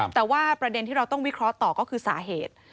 แต่ว่าประเด็นที่เราต้องวิเคราะห์ต่อก็คือสาเหตุ